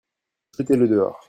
Jetez-le dehors.